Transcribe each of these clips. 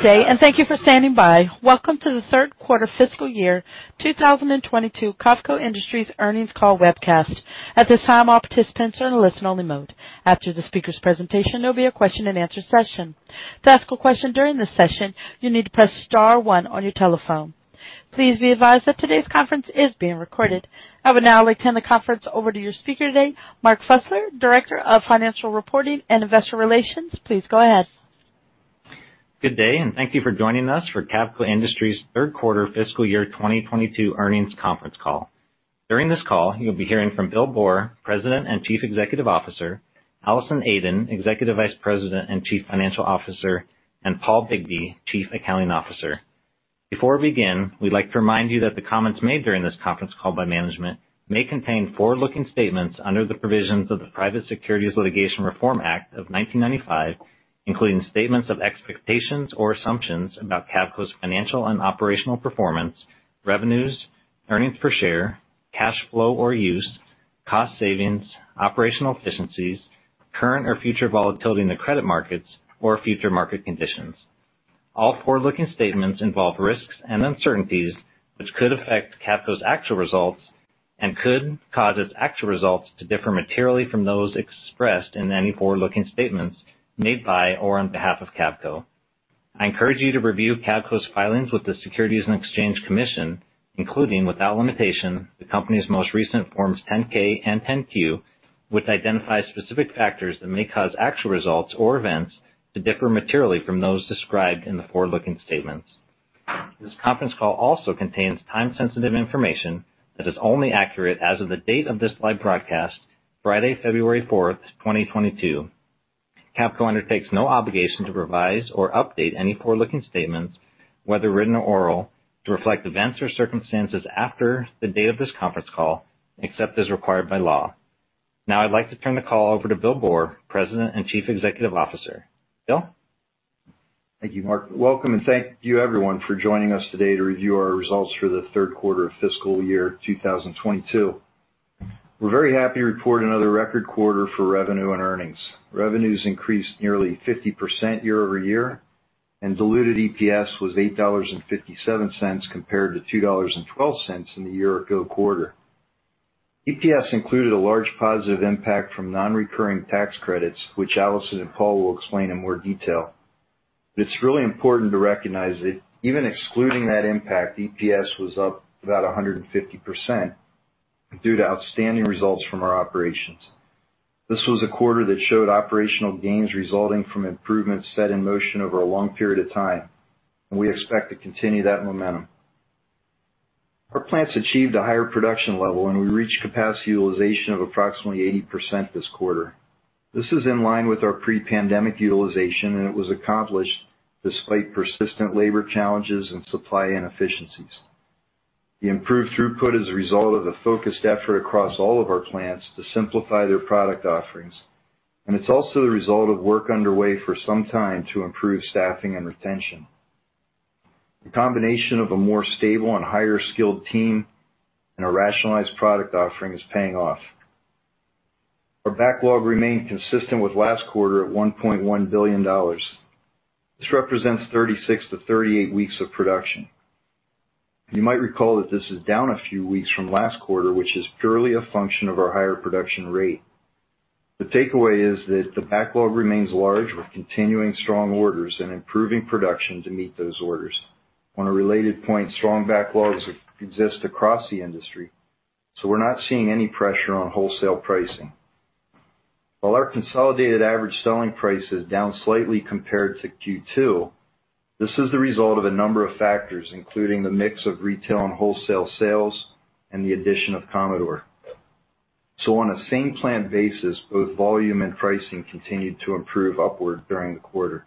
Good day, and thank you for standing by. Welcome to the Third Quarter Fiscal Year 2022 Cavco Industries earnings call webcast. At this time, all participants are in a listen only mode. After the speaker's presentation, there'll be a question-and-answer session. To ask a question during this session, you need to press star one on your telephone. Please be advised that today's conference is being recorded. I would now like to hand the conference over to your speaker today, Mark Fusler, Director of Financial Reporting and Investor Relations. Please go ahead. Good day, and thank you for joining us for Cavco Industries third quarter fiscal year 2022 Earnings Conference Call. During this call, you'll be hearing from Bill Boor, President and Chief Executive Officer, Allison Aden, Executive Vice President and Chief Financial Officer, and Paul Bigbee, Chief Accounting Officer. Before we begin, we'd like to remind you that the comments made during this conference call by management may contain forward-looking statements under the provisions of the Private Securities Litigation Reform Act of 1995, including statements of expectations or assumptions about Cavco's financial and operational performance, revenues, earnings per share, cash flow or use, cost savings, operational efficiencies, current or future volatility in the credit markets or future market conditions. All forward-looking statements involve risks and uncertainties, which could affect Cavco's actual results and could cause its actual results to differ materially from those expressed in any forward-looking statements made by or on behalf of Cavco. I encourage you to review Cavco's filings with the Securities and Exchange Commission, including, without limitation, the company's most recent Forms 10-K and 10-Q, which identify specific factors that may cause actual results or events to differ materially from those described in the forward-looking statements. This conference call also contains time-sensitive information that is only accurate as of the date of this live broadcast, Friday, February 4th, 2022. Cavco undertakes no obligation to revise or update any forward-looking statements, whether written or oral, to reflect events or circumstances after the date of this conference call, except as required by law. Now I'd like to turn the call over to Bill Boor, President and Chief Executive Officer. Bill? Thank you, Mark. Welcome, and thank you everyone for joining us today to review our results for the third quarter of fiscal year 2022. We're very happy to report another record quarter for revenue and earnings. Revenues increased nearly 50% year-over-year, and diluted EPS was $8.57 compared to $2.12 in the year ago quarter. EPS included a large positive impact from non-recurring tax credits, which Allison and Paul will explain in more detail. It's really important to recognize that even excluding that impact, EPS was up about 150% due to outstanding results from our operations. This was a quarter that showed operational gains resulting from improvements set in motion over a long period of time, and we expect to continue that momentum. Our plants achieved a higher production level, and we reached capacity utilization of approximately 80% this quarter. This is in line with our pre-pandemic utilization, and it was accomplished despite persistent labor challenges and supply inefficiencies. The improved throughput is a result of a focused effort across all of our plants to simplify their product offerings, and it's also the result of work underway for some time to improve staffing and retention. The combination of a more stable and higher skilled team and a rationalized product offering is paying off. Our backlog remained consistent with last quarter at $1.1 billion. This represents 36-38 weeks of production. You might recall that this is down a few weeks from last quarter, which is purely a function of our higher production rate. The takeaway is that the backlog remains large with continuing strong orders and improving production to meet those orders. On a related point, strong backlogs exist across the industry, so we're not seeing any pressure on wholesale pricing. While our consolidated average selling price is down slightly compared to Q2, this is the result of a number of factors, including the mix of retail and wholesale sales and the addition of Commodore. On a same plant basis, both volume and pricing continued to improve upward during the quarter.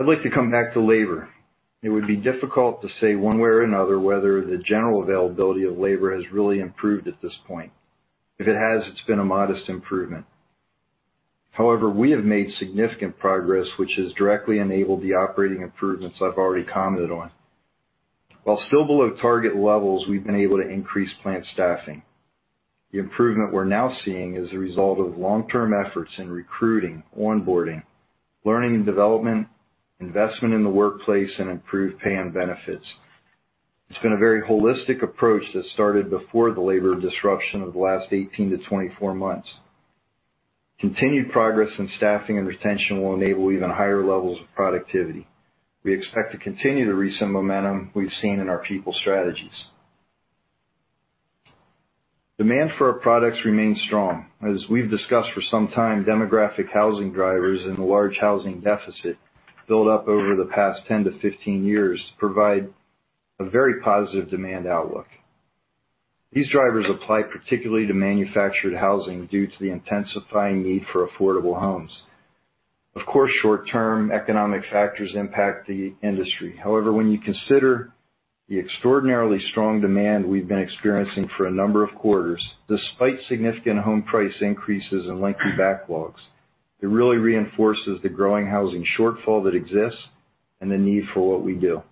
I'd like to come back to labor. It would be difficult to say one way or another whether the general availability of labor has really improved at this point. If it has, it's been a modest improvement. However, we have made significant progress, which has directly enabled the operating improvements I've already commented on. While still below target levels, we've been able to increase plant staffing. The improvement we're now seeing is a result of long-term efforts in recruiting, onboarding, learning and development, investment in the workplace, and improved pay and benefits. It's been a very holistic approach that started before the labor disruption of the last 18-24 months. Continued progress in staffing and retention will enable even higher levels of productivity. We expect to continue to reach some momentum we've seen in our people strategies. Demand for our products remains strong. As we've discussed for some time, demographic housing drivers and the large housing deficit built up over the past 10-15 years provide a very positive demand outlook. These drivers apply particularly to manufactured housing due to the intensifying need for affordable homes. Of course, short-term economic factors impact the industry. However, when you consider the extraordinarily strong demand we've been experiencing for a number of quarters, despite significant home price increases and lengthy backlogs, it really reinforces the growing housing shortfall that exists and the need for what we do.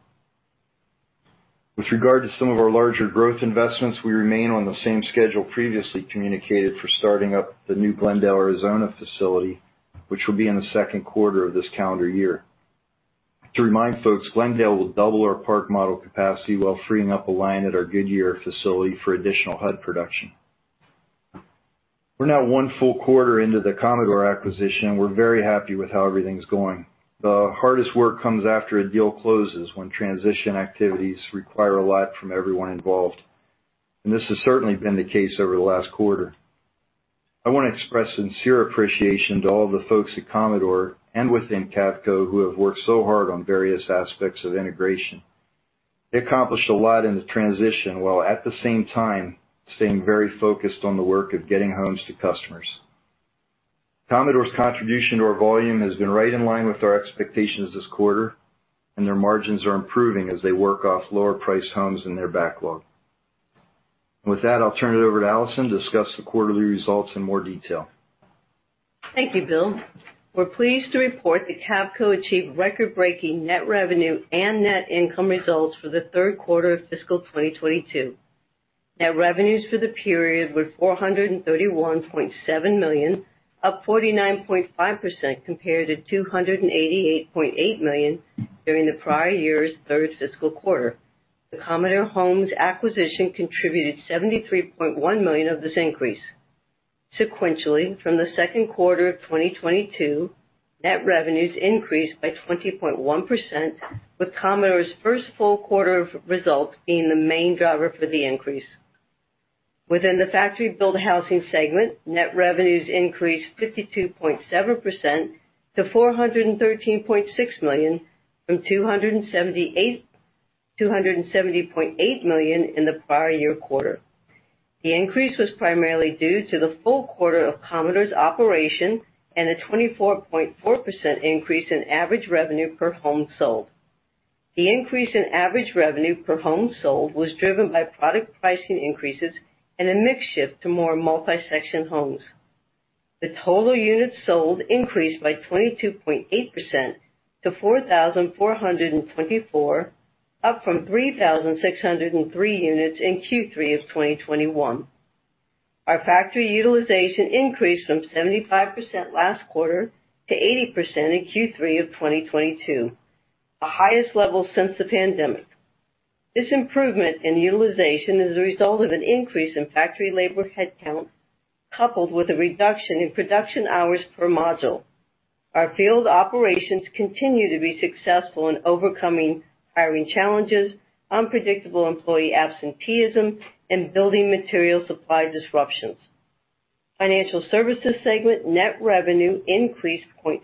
With regard to some of our larger growth investments, we remain on the same schedule previously communicated for starting up the new Glendale, Arizona facility, which will be in the second quarter of this calendar year. To remind folks, Glendale will double our Park Model capacity while freeing up a line at our Goodyear facility for additional HUD production. We're now one full quarter into the Commodore acquisition. We're very happy with how everything's going. The hardest work comes after a deal closes, when transition activities require a lot from everyone involved, and this has certainly been the case over the last quarter. I wanna express sincere appreciation to all the folks at Commodore and within Cavco who have worked so hard on various aspects of integration. They accomplished a lot in the transition, while at the same time staying very focused on the work of getting homes to customers. Commodore's contribution to our volume has been right in line with our expectations this quarter, and their margins are improving as they work off lower-priced homes in their backlog. With that, I'll turn it over to Allison to discuss the quarterly results in more detail. Thank you, Bill. We're pleased to report that Cavco achieved record-breaking net revenue and net income results for the third quarter of fiscal 2022. Net revenues for the period were $431.7 million, up 49.5% compared to $288.8 million during the prior year's third fiscal quarter. The Commodore Corporation acquisition contributed $73.1 million of this increase. Sequentially, from the second quarter of 2022, net revenues increased by 20.1%, with Commodore Corporation's first full quarter of results being the main driver for the increase. Within the factory-built housing segment, net revenues increased 52.7% to $413.6 million, from $270.8 million in the prior year quarter. The increase was primarily due to the full quarter of Commodore's operation and a 24.4% increase in average revenue per home sold. The increase in average revenue per home sold was driven by product pricing increases and a mix shift to more multi-section homes. The total units sold increased by 22.8% to 4,424, up from 3,603 units in Q3 of 2021. Our factory utilization increased from 75% last quarter to 80% in Q3 of 2022, the highest level since the pandemic. This improvement in utilization is a result of an increase in factory labor headcount, coupled with a reduction in production hours per module. Our field operations continue to be successful in overcoming hiring challenges, unpredictable employee absenteeism, and building material supply disruptions. Financial Services segment net revenue increased 0.6%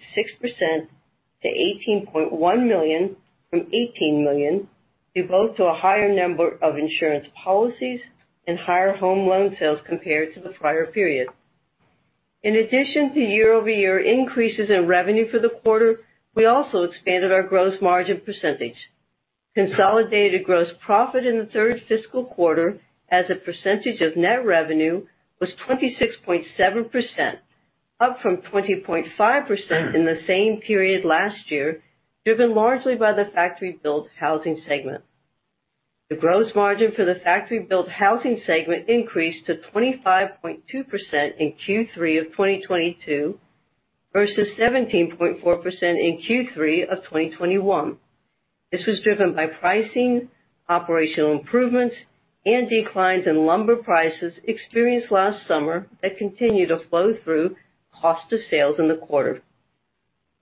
to $18.1 million, from $18 million, due both to a higher number of insurance policies and higher home loan sales compared to the prior period. In addition to year-over-year increases in revenue for the quarter, we also expanded our gross margin percentage. Consolidated gross profit in the third fiscal quarter as a percentage of net revenue was 26.7%, up from 20.5% in the same period last year, driven largely by the Factory-Built Housing segment. The gross margin for the Factory-Built Housing segment increased to 25.2% in Q3 of 2022 versus 17.4% in Q3 of 2021. This was driven by pricing, operational improvements, and declines in lumber prices experienced last summer that continue to flow through cost of sales in the quarter.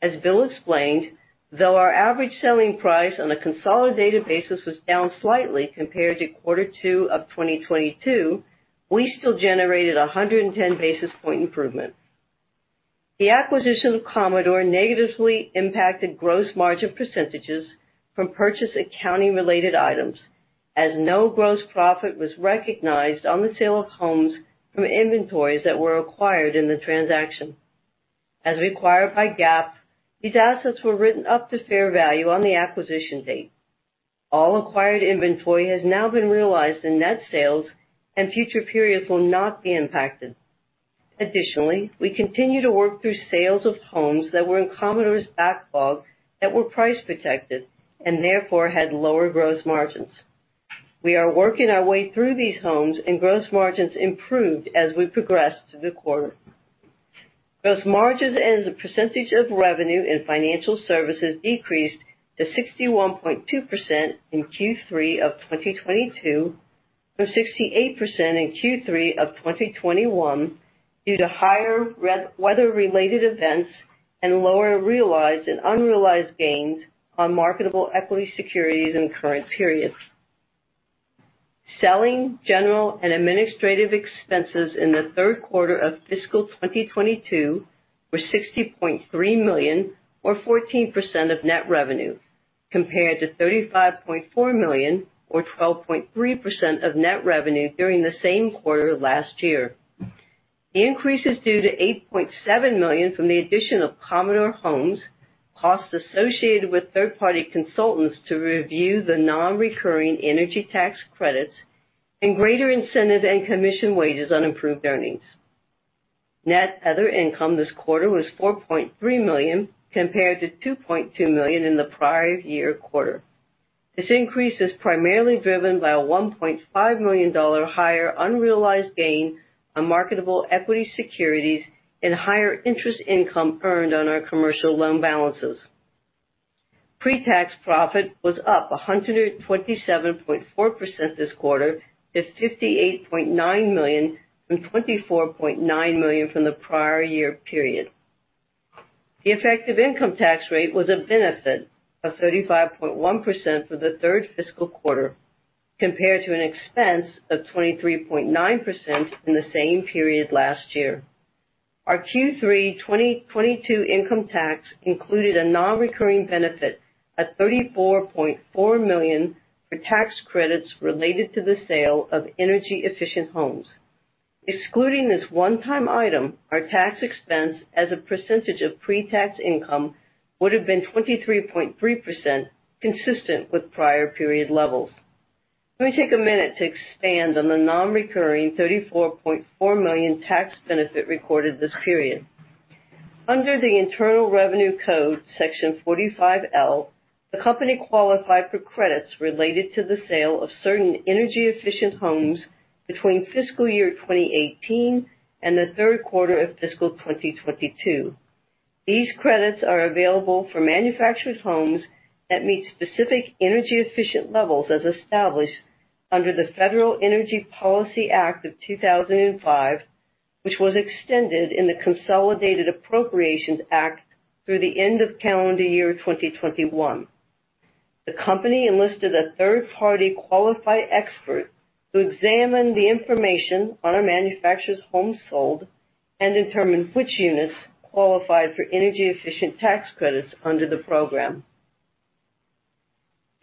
As Bill explained, though our average selling price on a consolidated basis was down slightly compared to quarter two of 2022, we still generated a 110 basis point improvement. The acquisition of Commodore negatively impacted gross margin percentages from purchase accounting-related items, as no gross profit was recognized on the sale of homes from inventories that were acquired in the transaction. As required by GAAP, these assets were written up to fair value on the acquisition date. All acquired inventory has now been realized in net sales and future periods will not be impacted. Additionally, we continue to work through sales of homes that were in Commodore's backlog that were price protected and therefore had lower gross margins. We are working our way through these homes, and gross margins improved as we progressed through the quarter. Gross margins as a percentage of revenue in financial services decreased to 61.2% in Q3 of 2022 from 68% in Q3 of 2021 due to higher weather-related events and lower realized and unrealized gains on marketable equity securities in current periods. Selling, general, and administrative expenses in the third quarter of fiscal 2022 were $60.3 million or 14% of net revenue, compared to $35.4 million or 12.3% of net revenue during the same quarter last year. The increase is due to $8.7 million from the addition of Commodore Homes, costs associated with third-party consultants to review the non-recurring energy tax credits, and greater incentive and commission wages on improved earnings. Net other income this quarter was $4.3 million compared to $2.2 million in the prior year quarter. This increase is primarily driven by a $1.5 million higher unrealized gain on marketable equity securities and higher interest income earned on our commercial loan balances. Pre-tax profit was up 147.4% this quarter to $58.9 million from $24.9 million from the prior year period. The effective income tax rate was a benefit of 35.1% for the third fiscal quarter, compared to an expense of 23.9% in the same period last year. Our Q3 2022 income tax included a non-recurring benefit of $34.4 million for tax credits related to the sale of energy-efficient homes. Excluding this one-time item, our tax expense as a percentage of pre-tax income would have been 23.3%, consistent with prior period levels. Let me take a minute to expand on the non-recurring $34.4 million tax benefit recorded this period. Under the Internal Revenue Code Section 45L, the company qualified for credits related to the sale of certain energy-efficient homes between fiscal year 2018 and the third quarter of fiscal 2022. These credits are available for manufactured homes that meet specific energy-efficient levels as established under the Energy Policy Act of 2005, which was extended in the Consolidated Appropriations Act through the end of calendar year 2021. The company enlisted a third-party qualified expert to examine the information on our manufactured homes sold and determine which units qualified for energy-efficient tax credits under the program.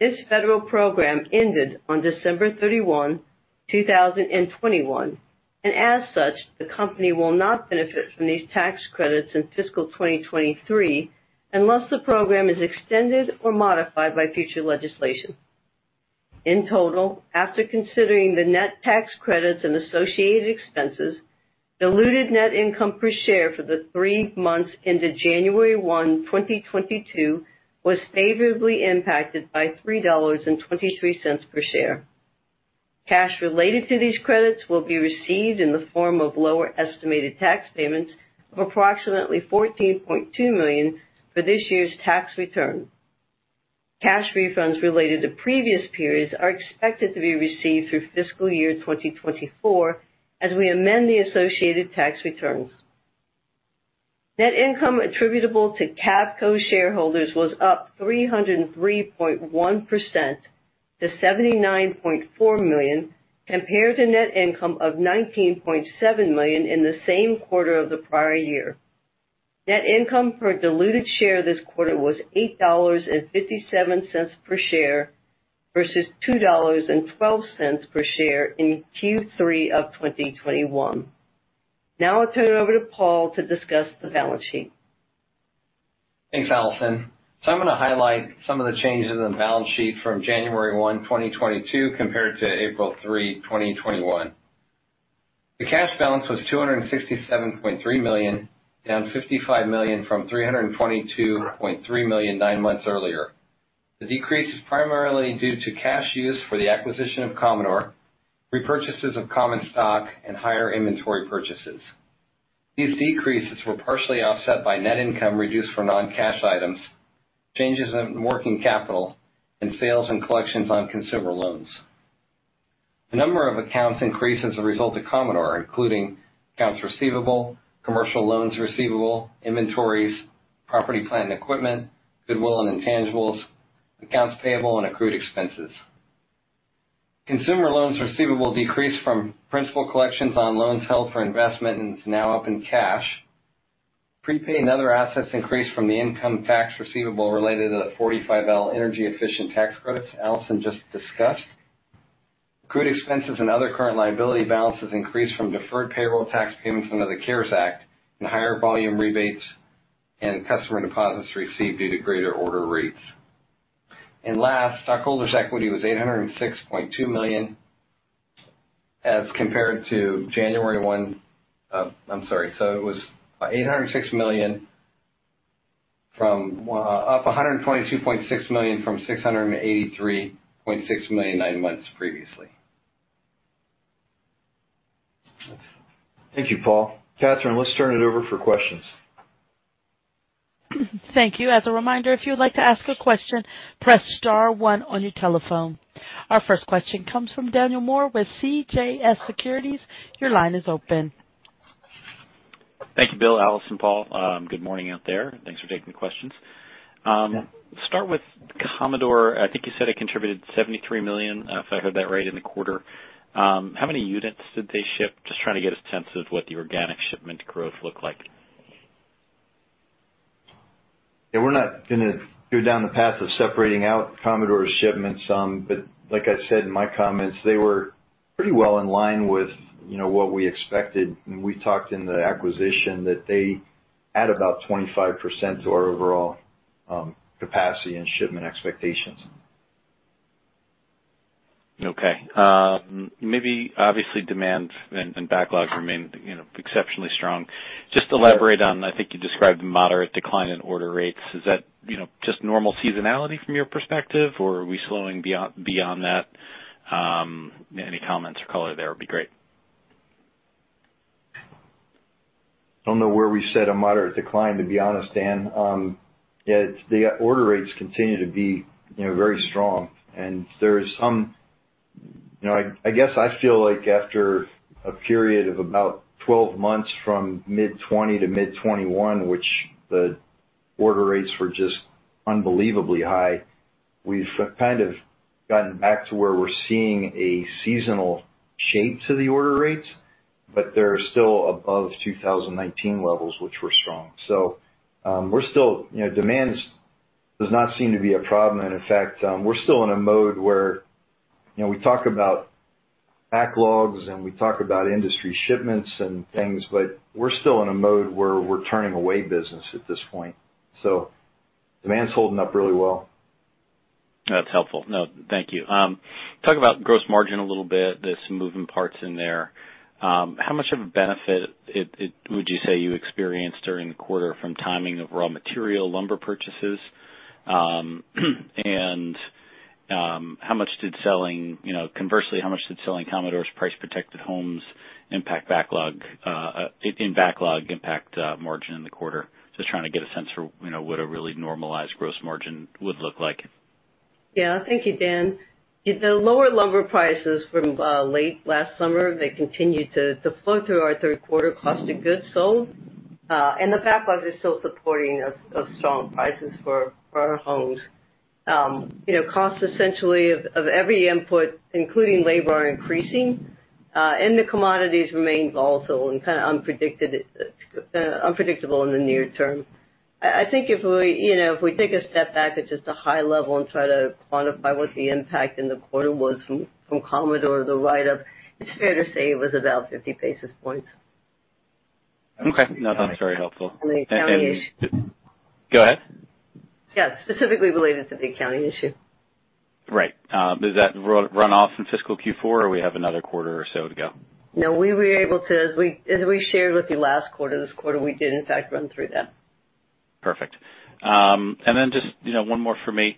This federal program ended on December 31, 2021, and as such, the company will not benefit from these tax credits in fiscal 2023 unless the program is extended or modified by future legislation. In total, after considering the net tax credits and associated expenses, diluted net income per share for the three months ended January 1, 2022 was favorably impacted by $3.23 per share. Cash related to these credits will be received in the form of lower estimated tax payments of approximately $14.2 million for this year's tax return. Cash refunds related to previous periods are expected to be received through fiscal year 2024 as we amend the associated tax returns. Net income attributable to Cavco shareholders was up 303.1% to $79.4 million, compared to net income of $19.7 million in the same quarter of the prior year. Net income per diluted share this quarter was $8.57 per share versus $2.12 per share in Q3 of 2021. Now I'll turn it over to Paul to discuss the balance sheet. Thanks, Allison. I'm gonna highlight some of the changes in the balance sheet from January 1, 2022 compared to April 3, 2021. The cash balance was $267.3 million, down $55 million from $322.3 million nine months earlier. The decrease is primarily due to cash use for the acquisition of Commodore, repurchases of common stock, and higher inventory purchases. These decreases were partially offset by net income reduced for non-cash items, changes in working capital, and sales and collections on consumer loans. A number of accounts increases as a result of Commodore, including accounts receivable, commercial loans receivable, inventories, property, plant and equipment, goodwill and intangibles, accounts payable, and accrued expenses. Consumer loans receivable decreased from principal collections on loans held for investment and is now up in cash. Prepaid and other assets increased from the income tax receivable related to the 45L energy efficient tax credits Allison just discussed. Accrued expenses and other current liability balances increased from deferred payroll tax payments under the CARES Act and higher volume rebates and customer deposits received due to greater order rates. Last, stockholders' equity was $806.2 million as compared to January 1, 2022 um I'm sorry, it was $122.6 million from $683.6 million nine months previously. Thank you, Paul. Katherine, let's turn it over for questions. Thank you. As a reminder, if you would like to ask a question, press star one on your telephone. Our first question comes from Daniel Moore with CJS Securities. Your line is open. Thank you, Bill, Allison, Paul. Good morning out there. Thanks for taking the questions. Start with Commodore. I think you said it contributed $73 million, if I heard that right, in the quarter. How many units did they ship? Just trying to get a sense of what the organic shipment growth looked like. Yeah, we're not gonna go down the path of separating out Commodore's shipments, but like I said in my comments, they were pretty well in line with, you know, what we expected when we talked in the acquisition that they add about 25% to our overall, capacity and shipment expectations. Okay. Maybe obviously demand and backlogs remain, you know, exceptionally strong. Just elaborate on, I think you described moderate decline in order rates. Is that, you know, just normal seasonality from your perspective? Or are we slowing beyond that? Any comments or color there would be great. I don't know where we said a moderate decline, to be honest, Dan. It's the order rates continue to be, you know, very strong. You know, I guess I feel like after a period of about 12 months from mid 2020 to mid 2021, which the order rates were just unbelievably high, we've kind of gotten back to where we're seeing a seasonal shape to the order rates, but they're still above 2019 levels, which were strong. We're still, you know, demand is does not seem to be a problem. In fact, we're still in a mode where, you know, we talk about backlogs, and we talk about industry shipments and things, but we're still in a mode where we're turning away business at this point, so demand's holding up really well. That's helpful. No, thank you. Talk about gross margin a little bit. There's some moving parts in there. How much of a benefit would you say you experienced during the quarter from timing of raw material lumber purchases? How much did selling, you know, conversely, Commodore's price-protected homes impact backlog and margin in the quarter? Just trying to get a sense for, you know, what a really normalized gross margin would look like. Yeah. Thank you, Dan. The lower lumber prices from late last summer, they continued to flow through our third quarter cost of goods sold. The backlog is still supporting of strong prices for our homes. You know, costs essentially of every input, including labor, are increasing. The commodities remain volatile and kind of unpredictable in the near term. I think if we you know if we take a step back at just a high level and try to quantify what the impact in the quarter was from Commodore, the write-up, it's fair to say it was about 50 basis points. Okay. No, that's very helpful. On the accounting issue. Go ahead. Yeah. Specifically related to the accounting issue. Right. Does that run off in fiscal Q4, or we have another quarter or so to go? No, we were able to, as we shared with you last quarter, this quarter, we did in fact run through that. Perfect. Just, you know, one more for me.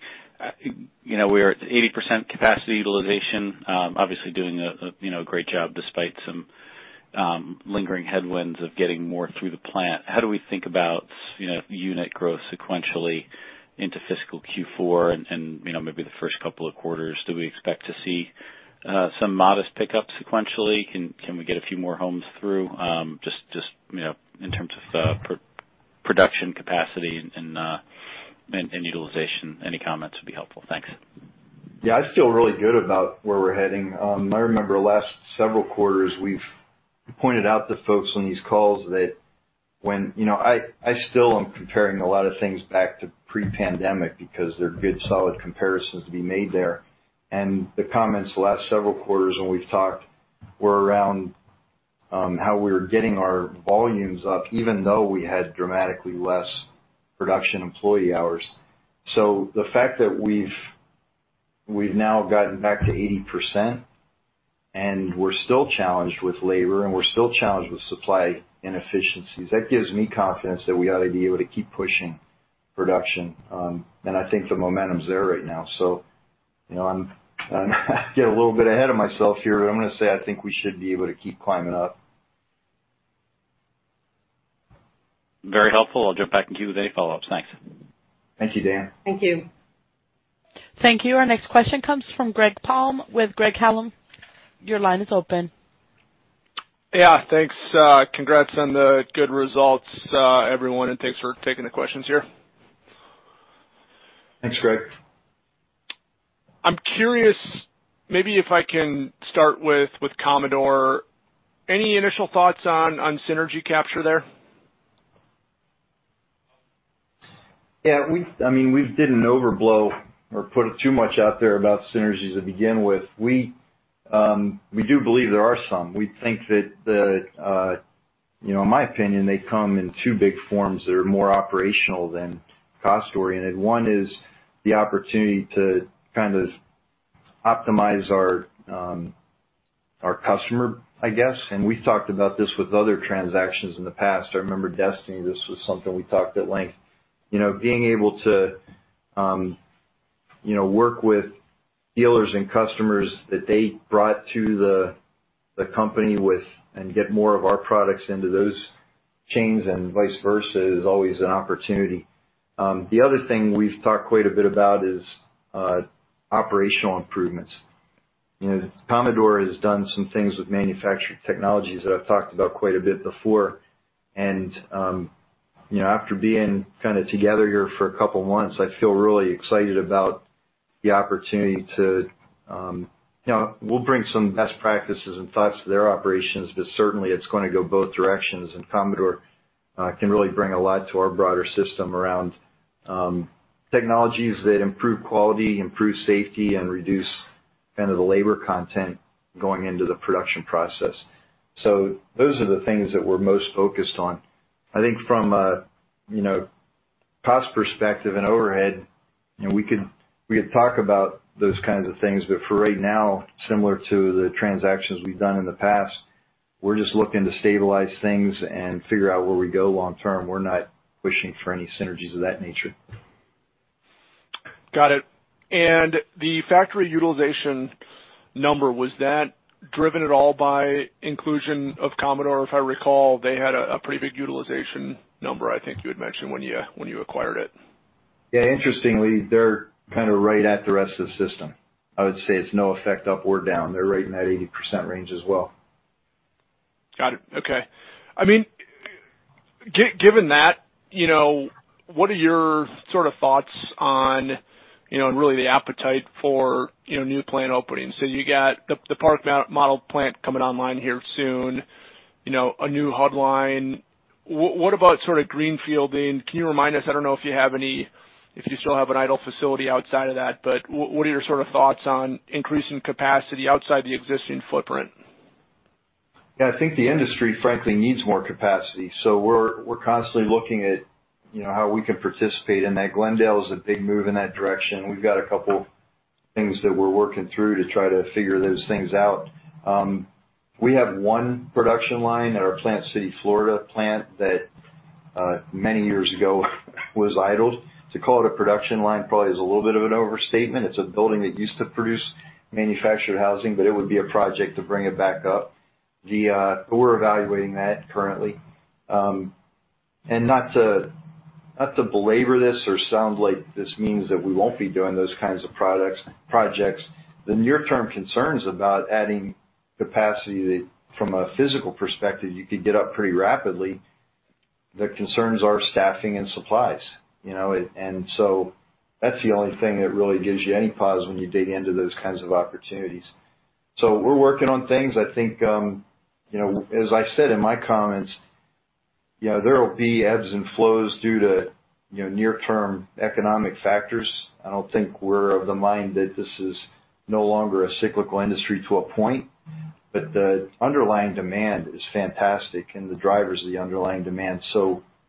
You know, we are at 80% capacity utilization, obviously doing a, you know, great job despite some lingering headwinds of getting more through the plant. How do we think about, you know, unit growth sequentially into fiscal Q4 and, you know, maybe the first couple of quarters? Do we expect to see some modest pickup sequentially? Can we get a few more homes through? Just, you know, in terms of pro-production capacity and utilization, any comments would be helpful. Thanks. Yeah, I feel really good about where we're heading. I remember the last several quarters, we've pointed out to folks on these calls. You know, I still am comparing a lot of things back to pre-pandemic because they're good, solid comparisons to be made there. The comments the last several quarters when we've talked were around how we were getting our volumes up, even though we had dramatically less production employee hours. The fact that we've now gotten back to 80% and we're still challenged with labor and we're still challenged with supply inefficiencies, that gives me confidence that we ought to be able to keep pushing production. I think the momentum's there right now. You know, I'm getting a little bit ahead of myself here, but I'm gonna say I think we should be able to keep climbing up. Very helpful. I'll jump back in queue with any follow-ups. Thanks. Thank you, Dan. Thank you. Thank you. Our next question comes from Greg Palm with Craig-Hallum. Your line is open. Yeah, thanks. Congrats on the good results, everyone, and thanks for taking the questions here. Thanks, Greg. I'm curious maybe if I can start with Commodore. Any initial thoughts on synergy capture there? Yeah, I mean, we didn't overblow or put too much out there about synergies to begin with. We do believe there are some. We think that the, you know, in my opinion, they come in two big forms that are more operational than cost-oriented. One is the opportunity to kind of optimize our customer, I guess. We've talked about this with other transactions in the past. I remember Destiny, this was something we talked at length. You know, being able to work with dealers and customers that they brought to the company with and get more of our products into those chains and vice versa is always an opportunity. The other thing we've talked quite a bit about is operational improvements. You know, Commodore has done some things with manufacturing technologies that I've talked about quite a bit before. You know, after being kind of together here for a couple of months, I feel really excited about the opportunity to, you know, we'll bring some best practices and thoughts to their operations, but certainly it's gonna go both directions. Commodore can really bring a lot to our broader system around, technologies that improve quality, improve safety, and reduce kind of the labor content going into the production process. Those are the things that we're most focused on. I think from a, you know, cost perspective and overhead, you know, we could talk about those kinds of things. For right now, similar to the transactions we've done in the past, we're just looking to stabilize things and figure out where we go long term. We're not wishing for any synergies of that nature. Got it. The factory utilization number, was that driven at all by inclusion of Commodore? If I recall, they had a pretty big utilization number, I think you had mentioned when you acquired it. Yeah. Interestingly, they're kind of right at the rest of the system. I would say it's no effect up or down. They're right in that 80% range as well. Got it. Okay. I mean, given that, you know, what are your sort of thoughts on, you know, and really the appetite for, you know, new plant openings? You got the Park Model plant coming online here soon, you know, a new HUD line. What about sort of greenfielding? Can you remind us, I don't know if you still have an idle facility outside of that, but what are your sort of thoughts on increasing capacity outside the existing footprint? Yeah. I think the industry frankly needs more capacity. We're constantly looking at, you know, how we can participate in that. Glendale is a big move in that direction. We've got a couple things that we're working through to try to figure those things out. We have one production line at our Plant City, Florida plant that many years ago was idled. To call it a production line probably is a little bit of an overstatement. It's a building that used to produce manufactured housing, but it would be a project to bring it back up. We're evaluating that currently. Not to belabor this or sound like this means that we won't be doing those kinds of projects, the near-term concerns about adding capacity from a physical perspective, you could get up pretty rapidly. The concerns are staffing and supplies, you know. That's the only thing that really gives you any pause when you dig into those kinds of opportunities. We're working on things. I think, you know, as I said in my comments, you know, there will be ebbs and flows due to, you know, near-term economic factors. I don't think we're of the mind that this is no longer a cyclical industry to a point, but the underlying demand is fantastic and the drivers of the underlying demand.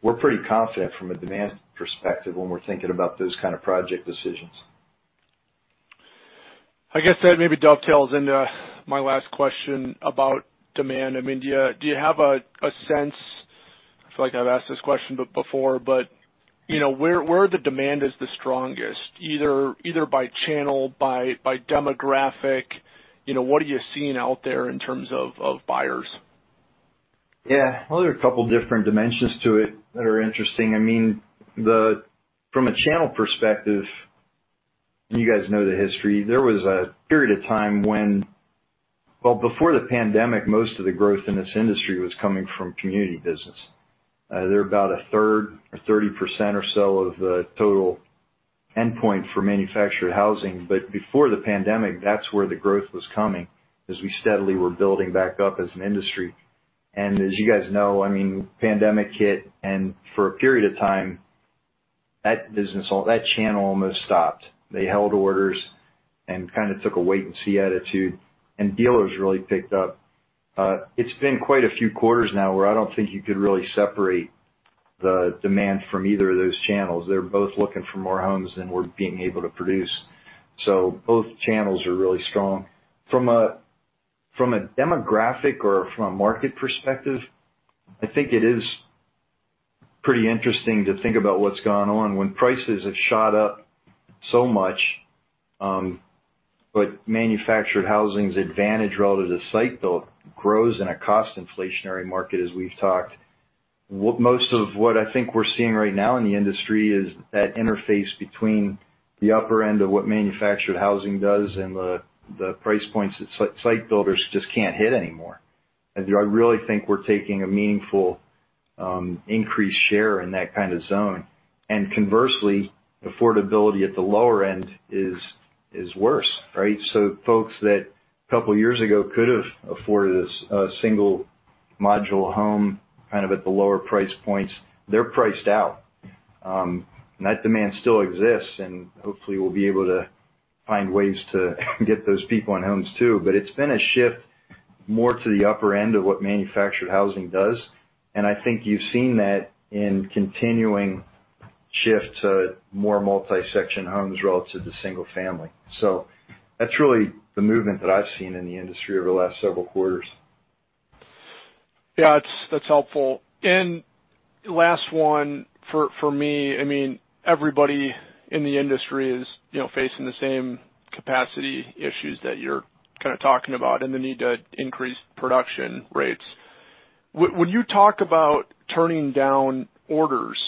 We're pretty confident from a demand perspective when we're thinking about those kind of project decisions. I guess that maybe dovetails into my last question about demand. I mean, do you have a sense? I feel like I've asked this question before, but you know, where the demand is the strongest, either by channel, by demographic? You know, what are you seeing out there in terms of buyers? Yeah. Well, there are a couple different dimensions to it that are interesting. I mean, from a channel perspective, you guys know the history. There was a period of time before the pandemic, most of the growth in this industry was coming from community business. They're about 1/3 or 30% or so of the total endpoint for manufactured housing. Before the pandemic, that's where the growth was coming as we steadily were building back up as an industry. As you guys know, I mean, pandemic hit, and for a period of time, that business, all that channel almost stopped. They held orders and kind of took a wait and see attitude, and dealers really picked up. It's been quite a few quarters now where I don't think you could really separate the demand from either of those channels. They're both looking for more homes than we're being able to produce. Both channels are really strong. From a demographic or from a market perspective, I think it is pretty interesting to think about what's gone on when prices have shot up so much, but manufactured housing's advantage relative to site-built grows in a cost inflationary market, as we've talked. Most of what I think we're seeing right now in the industry is that interface between the upper end of what manufactured housing does and the price points that site builders just can't hit anymore. I really think we're taking a meaningful increased share in that kind of zone. Conversely, affordability at the lower end is worse, right? Folks that a couple years ago could have afforded a single modular home kind of at the lower price points, they're priced out. That demand still exists, and hopefully we'll be able to find ways to get those people in homes too. It's been a shift more to the upper end of what manufactured housing does, and I think you've seen that in continuing shift to more multi-section homes relative to single-section. That's really the movement that I've seen in the industry over the last several quarters. Yeah, that's helpful. Last one for me, I mean, everybody in the industry is, you know, facing the same capacity issues that you're kind of talking about and the need to increase production rates. When you talk about turning down orders,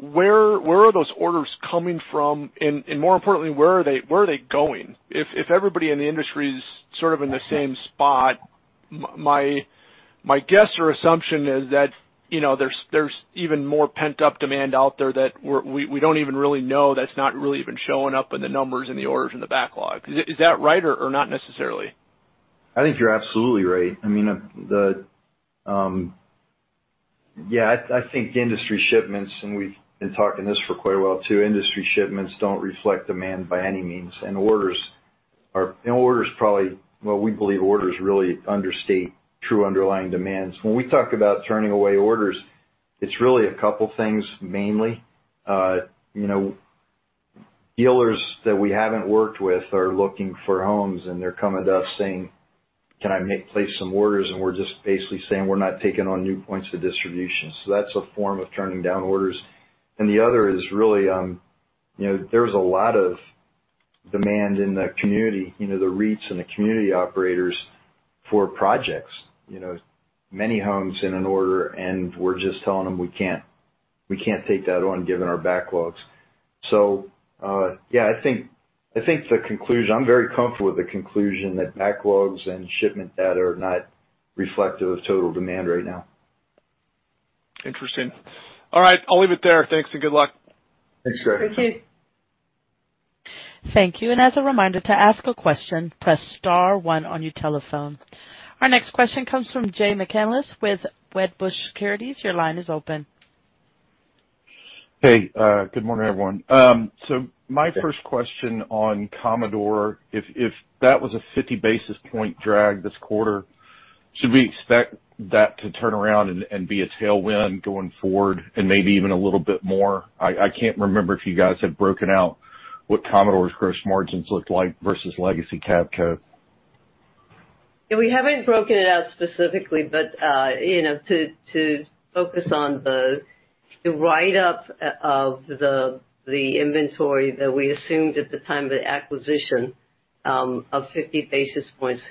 where are those orders coming from? And more importantly, where are they going? If everybody in the industry is sort of in the same spot, my guess or assumption is that, you know, there's even more pent-up demand out there that we don't even really know that's not really even showing up in the numbers and the orders in the backlog. Is that right or not necessarily? I think you're absolutely right. I mean. Yeah, I think industry shipments, and we've been talking about this for quite a while too, industry shipments don't reflect demand by any means. Our orders probably, well, we believe orders really understate true underlying demands. When we talk about turning away orders, it's really a couple things mainly. You know, dealers that we haven't worked with are looking for homes, and they're coming to us saying, "Can I place some orders?" We're just basically saying, "We're not taking on new points of distribution." That's a form of turning down orders. The other is really, you know, there's a lot of demand in the community, you know, the REITs and the community operators for projects, you know, many homes in an order, and we're just telling them we can't take that on given our backlogs. Yeah, I think the conclusion. I'm very comfortable with the conclusion that backlogs and shipment data are not reflective of total demand right now. Interesting. All right, I'll leave it there. Thanks, and good luck. Thanks, Greg. Thank you. Thank you. As a reminder, to ask a question, press star one on your telephone. Our next question comes from Jay McCanless with Wedbush Securities. Your line is open. Hey, good morning, everyone. My first question on Commodore, if that was a 50 basis point drag this quarter, should we expect that to turn around and be a tailwind going forward and maybe even a little bit more? I can't remember if you guys had broken out what Commodore's gross margins looked like versus legacy Cavco. Yeah, we haven't broken it out specifically, but you know, to focus on the write-up of the inventory that we assumed at the time of the acquisition of 50 basis points,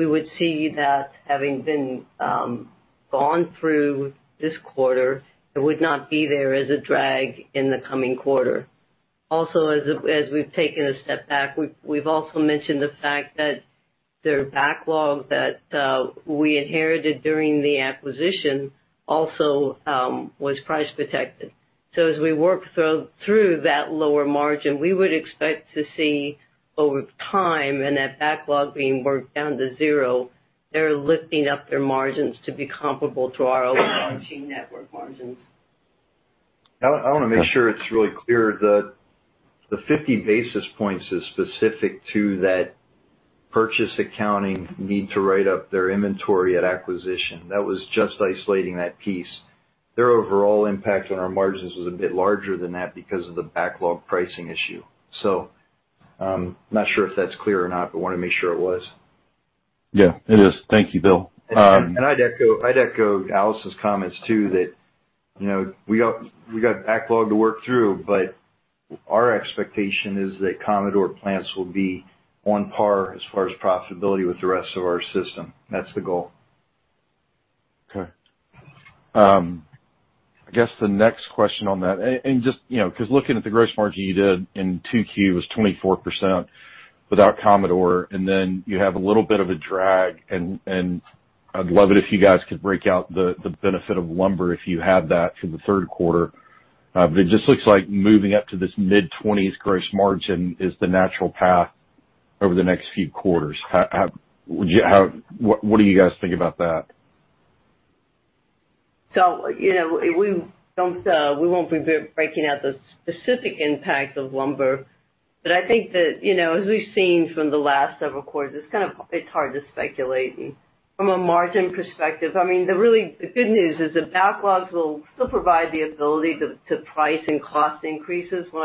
we would see that having been gone through this quarter, it would not be there as a drag in the coming quarter. Also, as we've taken a step back, we've also mentioned the fact that their backlog that we inherited during the acquisition also was price protected. So as we work through that lower margin, we would expect to see over time and that backlog being worked down to zero, they're lifting up their margins to be comparable to our overarching network margins. I wanna make sure it's really clear that the 50 basis points is specific to that purchase accounting need to write up their inventory at acquisition. That was just isolating that piece. Their overall impact on our margins was a bit larger than that because of the backlog pricing issue. Not sure if that's clear or not, but wanted to make sure it was. Yeah. It is. Thank you, Bill. I'd echo Allison's comments too that, you know, we got backlog to work through, but our expectation is that Commodore plants will be on par as far as profitability with the rest of our system. That's the goal. Okay. I guess the next question on that, and just, you know, 'cause looking at the gross margin you did in 2Q was 24% without Commodore, and then you have a little bit of a drag, and I'd love it if you guys could break out the benefit of lumber if you had that for the third quarter. But it just looks like moving up to this mid-20s gross margin is the natural path over the next few quarters. What do you guys think about that? You know, we won't be breaking out the specific impact of lumber. I think that, you know, as we've seen from the last several quarters, it's hard to speculate. From a margin perspective, I mean, the good news is that backlogs will still provide the ability to price and cost increases when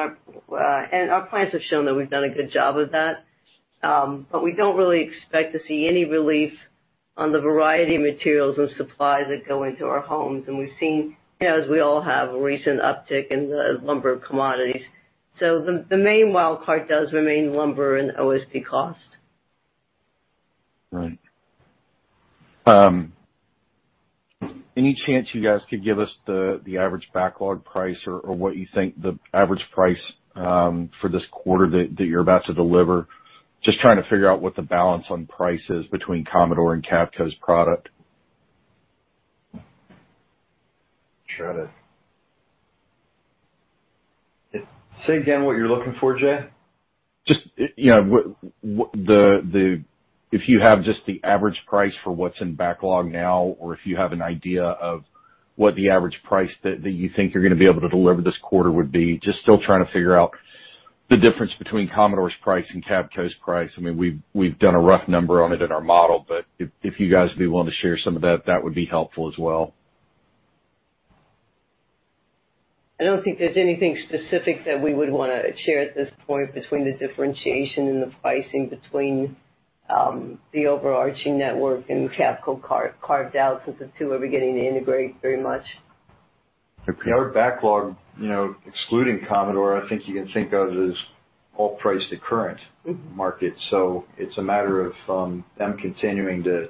our and our clients have shown that we've done a good job of that. We don't really expect to see any relief on the variety of materials and supplies that go into our homes. We've seen, you know, as we all have, a recent uptick in the lumber commodities. The main wildcard does remain lumber and OSB cost. Right. Any chance you guys could give us the average backlog price or what you think the average price for this quarter that you're about to deliver? Just trying to figure out what the balance on price is between Commodore and Cavco's product, [sure of it]. Say again what you're looking for, Jay. Just, you know, if you have just the average price for what's in backlog now or if you have an idea of what the average price that you think you're gonna be able to deliver this quarter would be? Just still trying to figure out the difference between Commodore's price and Cavco's price. I mean, we've done a rough number on it in our model, but if you guys would be willing to share some of that would be helpful as well. I don't think there's anything specific that we would wanna share at this point between the differentiation in the pricing between the overarching network and Cavco carved out since the two are beginning to integrate very much. Our backlog, you know, excluding Commodore, I think you can think of it as all priced at current market. It's a matter of, them continuing to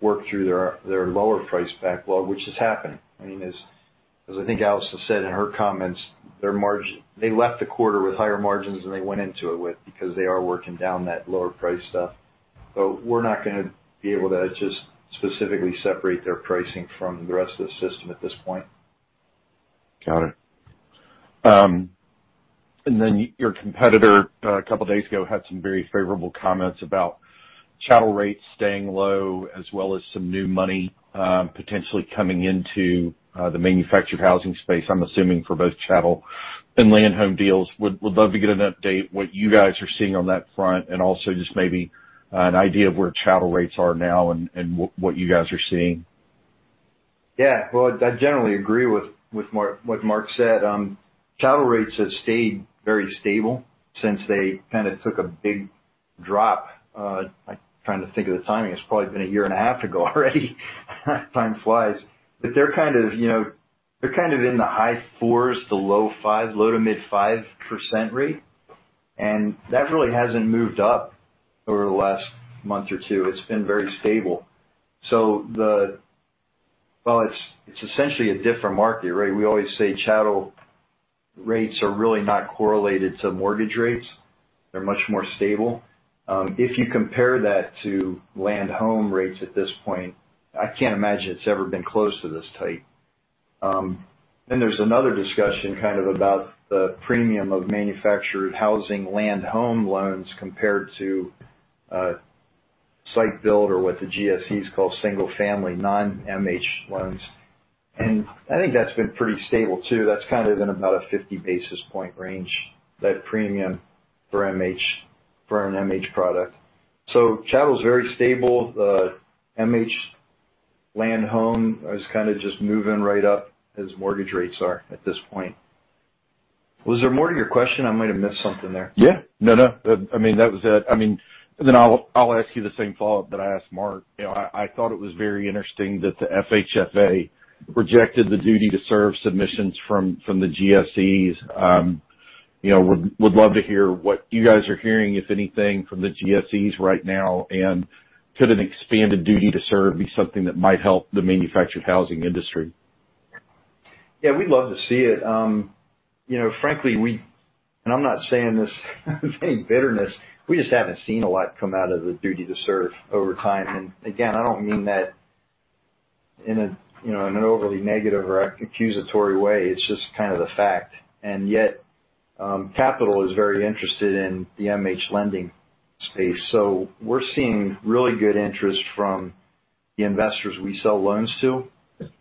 work through their lower priced backlog, which is happening. I mean, as I think Alice has said in her comments, their margin, they left the quarter with higher margins than they went into it with because they are working down that lower priced stuff. We're not gonna be able to just specifically separate their pricing from the rest of the system at this point. Got it. Your competitor a couple days ago had some very favorable comments about chattel rates staying low as well as some new money potentially coming into the manufactured housing space, I'm assuming for both chattel and land home deals. Would love to get an update what you guys are seeing on that front, and also just maybe an idea of where chattel rates are now and what you guys are seeing? Yeah. Well, I generally agree with what Mark said. Chattel rates have stayed very stable since they kind of took a big drop. I'm trying to think of the timing. It's probably been a year and a half ago already. Time flies. They're kind of, you know, they're kind of in the high 4%-low 5%, low- to mid-5% rate, and that really hasn't moved up over the last month or two. It's been very stable. Well, it's essentially a different market, right? We always say chattel rates are really not correlated to mortgage rates. They're much more stable. If you compare that to land home rates at this point, I can't imagine it's ever been close to this tight. There's another discussion kind of about the premium of manufactured housing land-home loans compared to site-built or what the GSEs call single family non-MH loans. I think that's been pretty stable, too. That's kind of in about a 50 basis point range, that premium for MH, for an MH product. Chattel is very stable. The MH land-home is kind of just moving right up as mortgage rates are at this point. Was there more to your question? I might have missed something there. Yeah. No, no. I mean, that was it. I mean, then I'll ask you the same follow-up that I asked Mark. You know, I thought it was very interesting that the FHFA rejected the Duty to Serve submissions from the GSEs. You know, I would love to hear what you guys are hearing, if anything, from the GSEs right now, and could an expanded Duty to Serve be something that might help the manufactured housing industry? Yeah, we'd love to see it. You know, frankly, we, and I'm not saying this with any bitterness, we just haven't seen a lot come out of the Duty to Serve over time. Again, I don't mean that in a, you know, in an overly negative or accusatory way. It's just kind of the fact. Yet, capital is very interested in the MH lending space. We're seeing really good interest from the investors we sell loans to,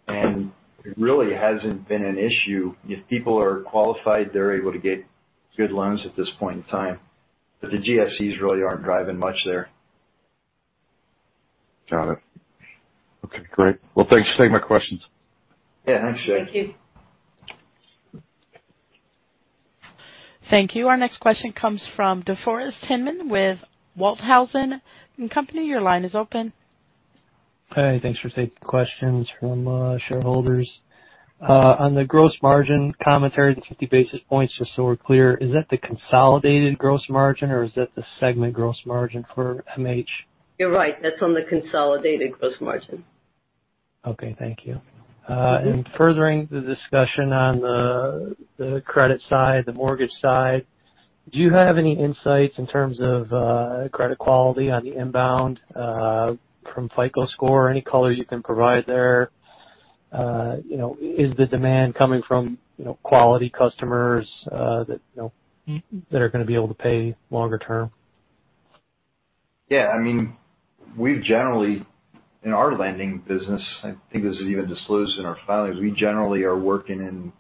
and it really hasn't been an issue. If people are qualified, they're able to get good loans at this point in time. The GSEs really aren't driving much there. Got it. Okay, great. Well, thanks for taking my questions. Yeah, thanks, Jay. Thank you. Thank you. Our next question comes from DeForest Hinman with Walthausen & Co. Your line is open. Hi. Thanks for taking the questions from shareholders. On the gross margin commentary, the 50 basis points, just so we're clear, is that the consolidated gross margin or is that the segment gross margin for MH? You're right. That's on the consolidated gross margin. Okay. Thank you. Furthering the discussion on the credit side, the mortgage side, do you have any insights in terms of credit quality on the inbound from FICO score? Any color you can provide there? You know, is the demand coming from, you know, quality customers that you know that are going to be able to pay longer term? Yeah, I mean, we've generally, in our lending business, I think this is even disclosed in our filings, we generally are working in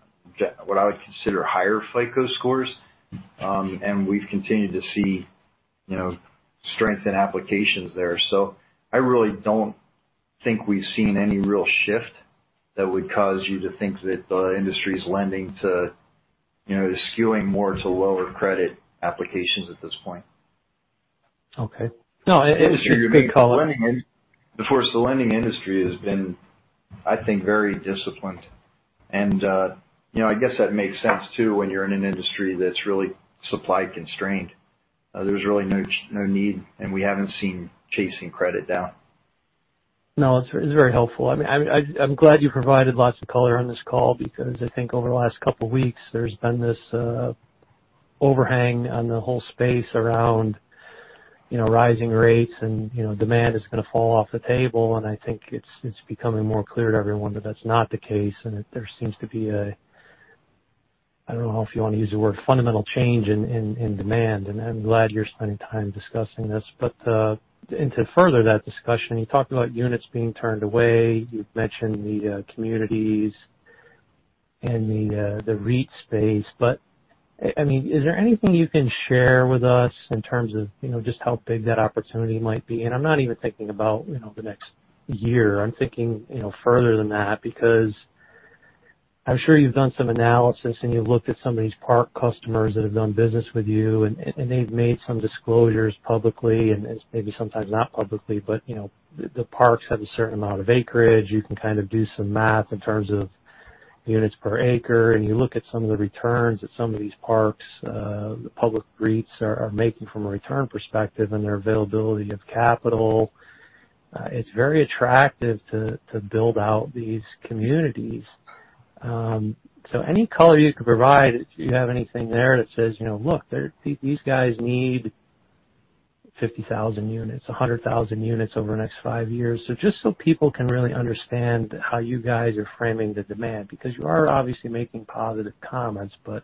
what I would consider higher FICO scores. We've continued to see, you know, strength in applications there. I really don't think we've seen any real shift that would cause you to think that the industry's lending to, you know, is skewing more to lower credit applications at this point. Okay. No, it's a good call. The fact the lending industry has been, I think, very disciplined. You know, I guess that makes sense, too, when you're in an industry that's really supply constrained. There's really no need, and we haven't seen chasing credit down. No, it's very helpful. I mean, I'm glad you provided lots of color on this call because I think over the last couple of weeks, there's been this overhang on the whole space around, you know, rising rates and, you know, demand is going to fall off the table. I think it's becoming more clear to everyone that that's not the case. There seems to be a, I don't know if you want to use the word fundamental change in demand. I'm glad you're spending time discussing this. To further that discussion, you talked about units being turned away. You've mentioned the communities and the REIT space. I mean, is there anything you can share with us in terms of, you know, just how big that opportunity might be? I'm not even thinking about, you know, the next year. I'm thinking, you know, further than that, because I'm sure you've done some analysis and you've looked at some of these park customers that have done business with you, and they've made some disclosures publicly and maybe sometimes not publicly, but, you know, the parks have a certain amount of acreage. You can kind of do some math in terms of units per acre, and you look at some of the returns that some of these parks, the public REITs are making from a return perspective and their availability of capital. It's very attractive to build out these communities. Any color you could provide? IF you have anything there that says, you know, look, these guys need 50,000 units, 100,000 units over the next five years. Just so people can really understand how you guys are framing the demand, because you are obviously making positive comments, but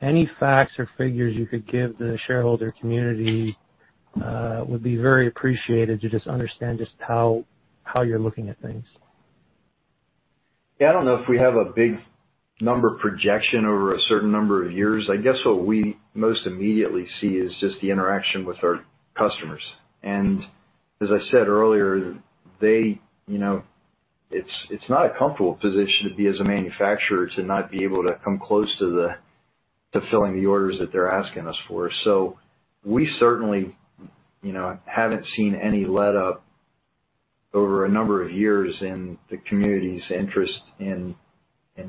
any facts or figures you could give the shareholder community would be very appreciated to just understand just how you're looking at things. Yeah, I don't know if we have a big number projection over a certain number of years. I guess what we most immediately see is just the interaction with our customers. As I said earlier, they, you know, it's not a comfortable position to be as a manufacturer to not be able to come close to filling the orders that they're asking us for. We certainly, you know, haven't seen any letup over a number of years in the community's interest in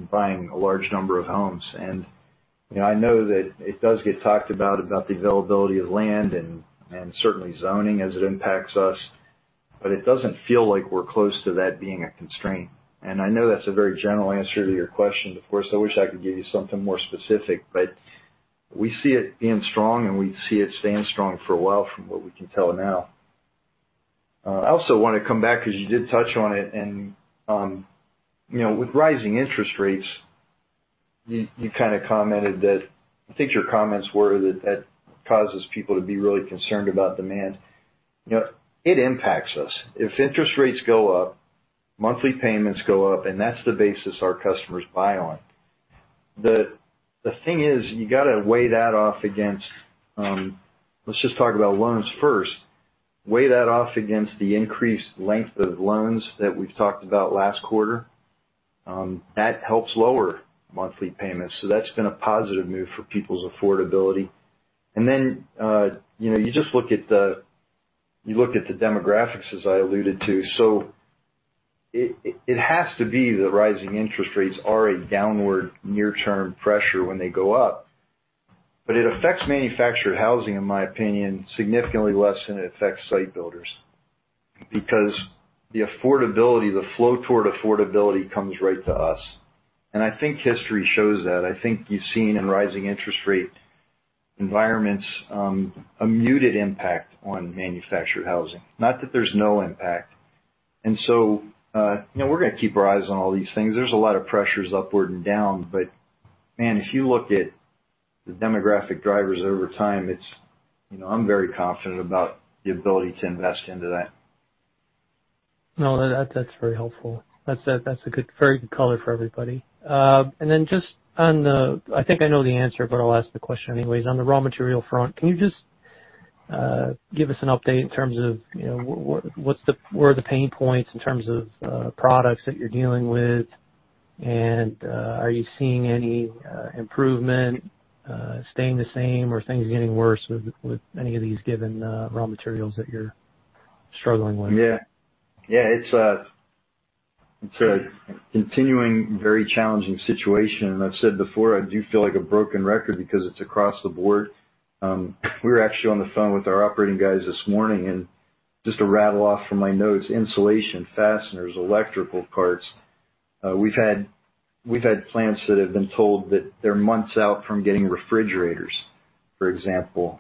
buying a large number of homes. You know, I know that it does get talked about about the availability of land and certainly zoning as it impacts us, but it doesn't feel like we're close to that being a constraint. I know that's a very general answer to your question. Of course, I wish I could give you something more specific, but we see it being strong, and we see it staying strong for a while, from what we can tell now. I also wanna come back because you did touch on it, and you know, with rising interest rates, you kind of commented that. I think your comments were that that causes people to be really concerned about demand. You know, it impacts us. If interest rates go up, monthly payments go up, and that's the basis our customers buy on. The thing is, you gotta weigh that off against. Let's just talk about loans first, the increased length of loans that we've talked about last quarter. That helps lower monthly payments, so that's been a positive move for people's affordability. You just look at the demographics, as I alluded to. It has to be that rising interest rates are a downward near-term pressure when they go up. It affects manufactured housing, in my opinion, significantly less than it affects site builders because the affordability, the flow toward affordability comes right to us. I think history shows that. I think you've seen in rising interest rate environments, a muted impact on manufactured housing. Not that there's no impact. We're gonna keep our eyes on all these things. There's a lot of pressures upward and down, but man, if you look at the demographic drivers over time, I'm very confident about the ability to invest into that. No, that's very helpful. That's a good, very good color for everybody. I think I know the answer, but I'll ask the question anyways. On the raw material front, can you just give us an update in terms of, you know, where are the pain points in terms of products that you're dealing with? Are you seeing any improvement, staying the same or things getting worse with any of these given raw materials that you're struggling with? Yeah. Yeah. It's a continuing very challenging situation. I've said before, I do feel like a broken record because it's across the board. We were actually on the phone with our operating guys this morning, and just to rattle off from my notes: insulation, fasteners, electrical parts. We've had plants that have been told that they're months out from getting refrigerators, for example.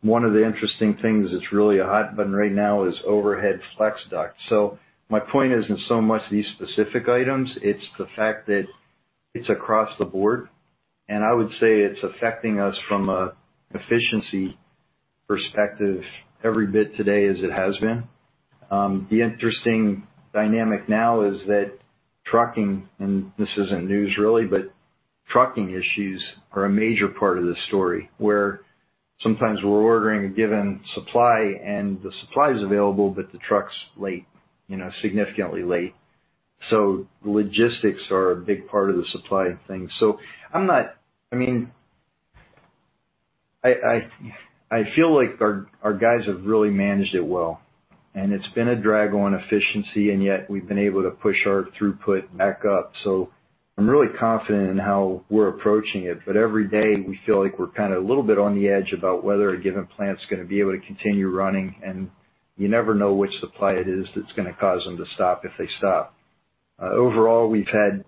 One of the interesting things that's really a hot button right now is overhead flex duct. So my point isn't so much these specific items, it's the fact that it's across the board, and I would say it's affecting us from a efficiency perspective every bit today as it has been. The interesting dynamic now is that trucking, and this isn't news really, but trucking issues are a major part of this story, where sometimes we're ordering a given supply and the supply is available, but the truck's late, you know, significantly late. Logistics are a big part of the supply thing. I mean, I feel like our guys have really managed it well. It's been a drag on efficiency, and yet we've been able to push our throughput back up. I'm really confident in how we're approaching it, but every day we feel like we're kind of a little bit on the edge about whether a given plant's gonna be able to continue running. You never know which supply it is that's gonna cause them to stop if they stop. Overall, we've had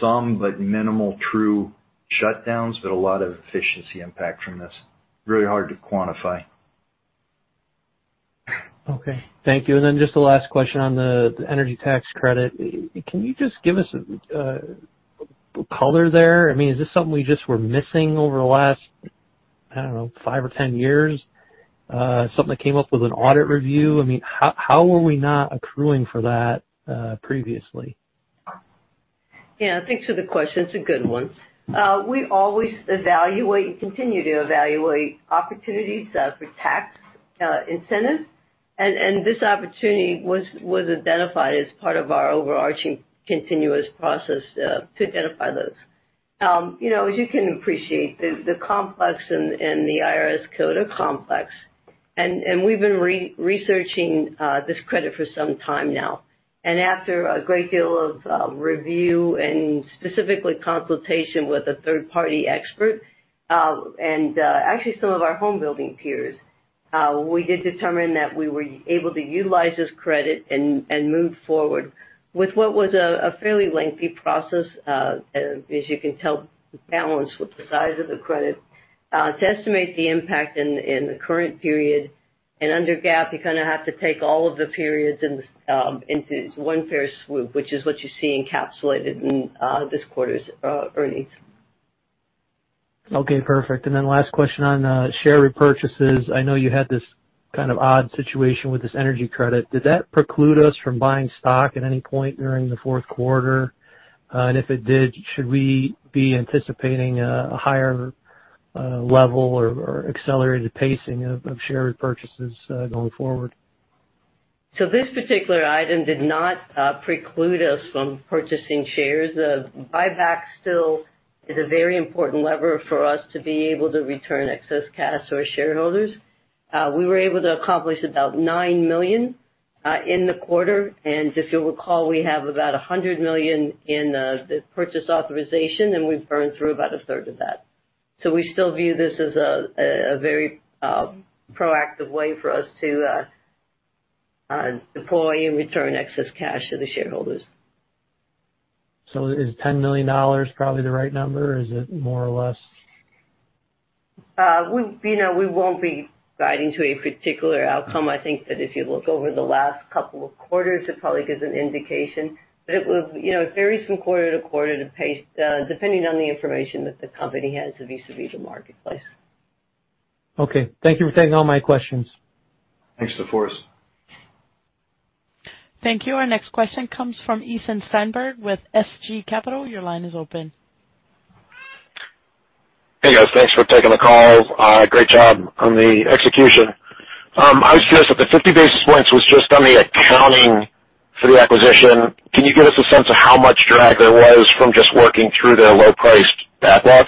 some but minimal true shutdowns, but a lot of efficiency impact from this. Really hard to quantify. Okay. Thank you. Just the last question on the energy tax credit. Can you just give us color there? I mean, is this something we just were missing over the last, I don't know, five or 10 years? Something that came up with an audit review? I mean, how were we not accruing for that previously? Yeah. Thanks for the question. It's a good one. We always evaluate and continue to evaluate opportunities for tax incentives. This opportunity was identified as part of our overarching continuous process to identify those. You know, as you can appreciate, the complexity and the IRS Code are complex. We've been researching this credit for some time now. After a great deal of review and specifically consultation with a third-party expert and actually some of our home building peers, we did determine that we were able to utilize this credit and move forward with what was a fairly lengthy process, as you can tell, to balance with the size of the credit to estimate the impact in the current period. Under GAAP, you kind of have to take all of the periods in into one fell swoop, which is what you see encapsulated in this quarter's earnings. Okay, perfect. Last question on share repurchases. I know you had this kind of odd situation with this energy credit. Did that preclude us from buying stock at any point during the fourth quarter? If it did, should we be anticipating a higher level or accelerated pacing of share repurchases going forward? This particular item did not preclude us from purchasing shares. Buyback still is a very important lever for us to be able to return excess cash to our shareholders. We were able to accomplish about $9 million in the quarter. If you'll recall, we have about $100 million in the purchase authorization, and we've burned through about a third of that. We still view this as a very proactive way for us to deploy and return excess cash to the shareholders. Is $10 million probably the right number or is it more or less? You know, we won't be guiding to a particular outcome. I think that if you look over the last couple of quarters, it probably gives an indication. It will, you know, it varies from quarter to quarter, the pace, depending on the information that the company has vis-à-vis the marketplace. Okay. Thank you for taking all my questions. Thanks, DeForest. Thank you. Our next question comes from Ethan Steinberg with SG Capital. Your line is open. Hey, guys. Thanks for taking the call. Great job on the execution. I was curious if the 50 basis points was just on the accounting for the acquisition. Can you give us a sense of how much drag there was from just working through the low-priced backlog?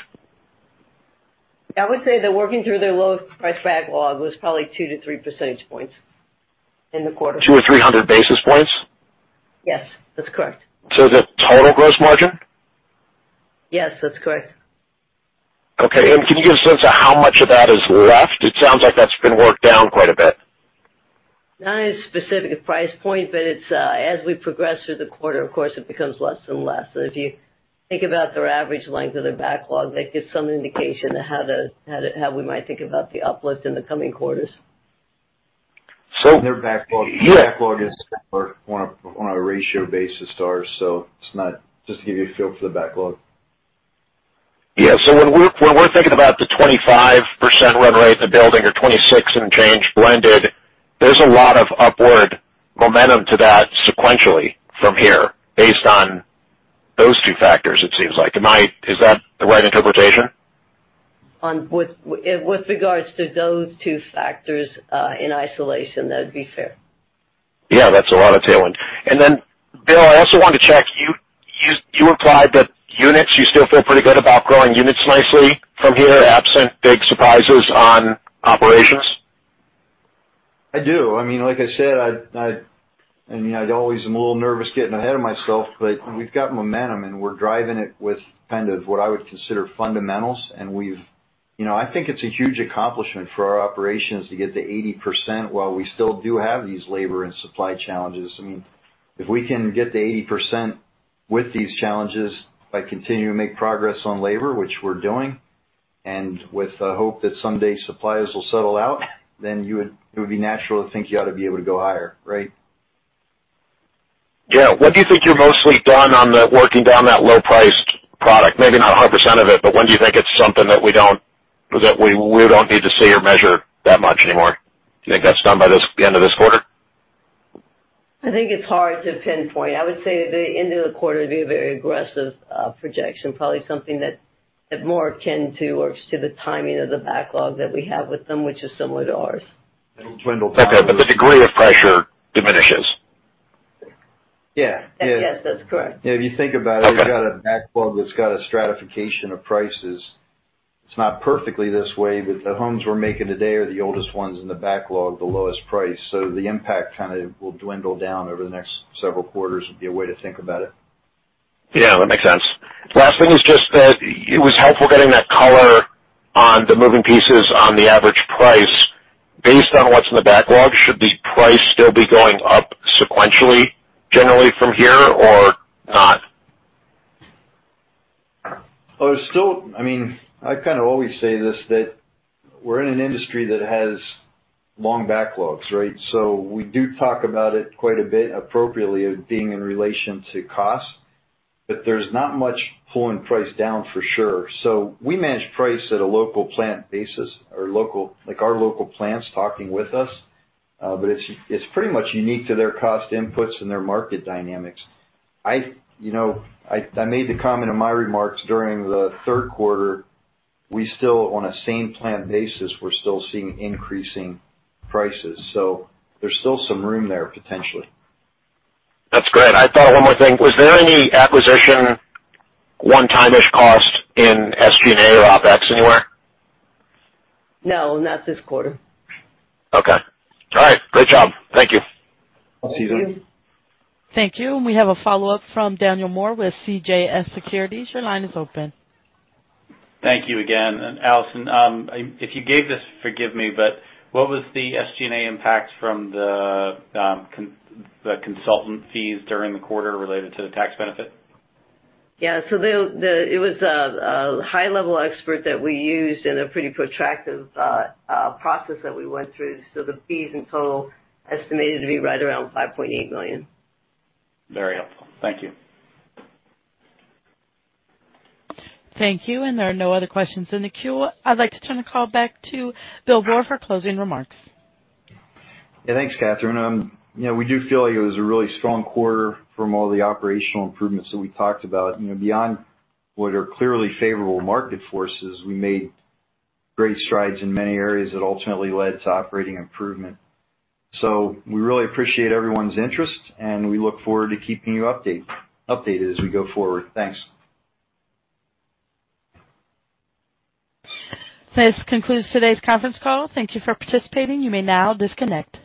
I would say that working through their lowest priced backlog was probably 2-3 percentage points in the quarter. 200 or 300 basis points? Yes, that's correct. the total gross margin? Yes, that's correct. Okay. Can you give a sense of how much of that is left? It sounds like that's been worked down quite a bit. Not a specific price point, but it's as we progress through the quarter, of course, it becomes less and less. If you think about their average length of the backlog, that gives some indication of how we might think about the uplift in the coming quarters. Their backlog is on a ratio basis to ours, so it's not just to give you a feel for the backlog. Yeah. When we're thinking about the 25% run rate in the building or 26% and change blended, there's a lot of upward momentum to that sequentially from here based on those two factors, it seems like. Is that the right interpretation? With regards to those two factors, in isolation, that'd be fair. Yeah, that's a lot of tailwind. Then, Bill, I also wanted to check, you implied that units, you still feel pretty good about growing units nicely from here, absent big surprises on operations? I do. I mean, like I said, I mean, I'd always am a little nervous getting ahead of myself, but we've got momentum, and we're driving it with kind of what I would consider fundamentals. We've. You know, I think it's a huge accomplishment for our operations to get to 80% while we still do have these labor and supply challenges. I mean, if we can get to 80% with these challenges by continuing to make progress on labor, which we're doing, and with the hope that someday suppliers will settle out, then you would, it would be natural to think you ought to be able to go higher, right? Yeah. When do you think you're mostly done on the working down that low-priced product? Maybe not 100% of it, but when do you think it's something that we don't need to see or measure that much anymore? Do you think that's done by the end of this quarter? I think it's hard to pinpoint. I would say the end of the quarter would be a very aggressive projection. Probably something more akin to the timing of the backlog that we have with them, which is similar to ours. It'll dwindle down. Okay. The degree of pressure diminishes. Yeah. Yeah. Yes. That's correct. If you think about it, we've got a backlog that's got a stratification of prices. It's not perfectly this way, but the homes we're making today are the oldest ones in the backlog, the lowest price. The impact kind of will dwindle down over the next several quarters, would be a way to think about it. Yeah, that makes sense. Last thing is just that it was helpful getting that color on the moving pieces on the average price. Based on what's in the backlog, should the price still be going up sequentially, generally from here or not? There's still, I mean, I kind of always say this, that we're in an industry that has long backlogs, right? We do talk about it quite a bit, appropriately as being in relation to cost, but there's not much pulling price down for sure. We manage price at a local plant basis or local, like our local plants talking with us. It's pretty much unique to their cost inputs and their market dynamics. You know, I made the comment in my remarks during the third quarter, we're still on a same plant basis, we're still seeing increasing prices, so there's still some room there potentially. That's great. I thought one more thing. Was there any acquisition one-time-ish cost in SG&A or OpEx anywhere? No, not this quarter. Okay. All right. Great job. Thank you. I'll see you then. Thank you. We have a follow-up from Daniel Moore with CJS Securities. Your line is open. Thank you again. Allison, if you gave this, forgive me, but what was the SG&A impact from the consultant fees during the quarter related to the tax benefit? Yeah. It was a high-level expert that we used in a pretty protracted process that we went through. The fees in total estimated to be right around $5.8 million. Very helpful. Thank you. Thank you. There are no other questions in the queue. I'd like to turn the call back to Bill Boor for closing remarks. Yeah, thanks, Katherine. You know, we do feel like it was a really strong quarter from all the operational improvements that we talked about. You know, beyond what are clearly favorable market forces, we made great strides in many areas that ultimately led to operating improvement. We really appreciate everyone's interest, and we look forward to keeping you updated as we go forward. Thanks. This concludes today's conference call. Thank you for participating. You may now disconnect.